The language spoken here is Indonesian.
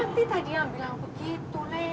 angti tadi yang bilang begitu lek